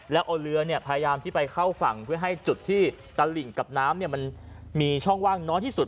แล้วเอาเรือพยายามที่ไปเข้าฝั่งเพื่อให้จุดที่ตลิ่งกับน้ำมันมีช่องว่างน้อยที่สุด